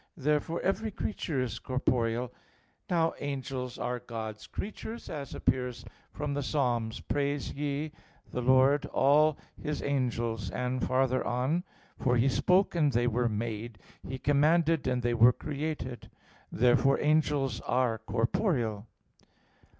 Therefore, every creature is corporeal. Now angels are God's creatures, as appears from Ps. 148:2: "Praise ye" the Lord, "all His angels"; and, farther on (verse 4), "For He spoke, and they were made; He commanded, and they were created." Therefore angels are corporeal.